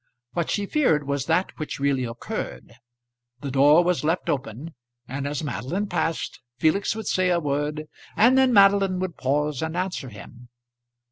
What she feared was that which really occurred. The door was left open, and as Madeline passed Felix would say a word, and then Madeline would pause and answer him.